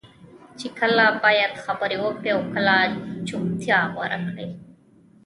چې کله باید خبرې وکړې او کله چپتیا غوره کړې.